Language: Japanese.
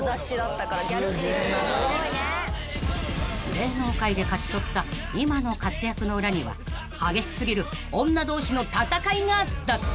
［芸能界で勝ち取った今の活躍の裏には激し過ぎる女同士の戦いがあった］